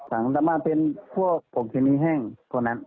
ถังต่างมาเป็นพวกของธุรกินแห้งตัวนั้น